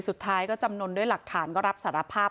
สุดท้ายก็จำนวนด้วยหลักฐานก็รับสารภาพ